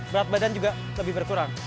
berat badan juga lebih berkurang